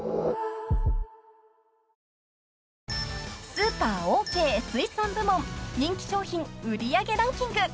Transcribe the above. ［スーパーオーケー水産部門人気商品売り上げランキング］